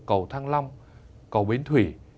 cầu thăng long cầu bến thủy